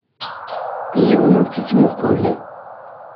Yiwen ur tt-ittmuqqul.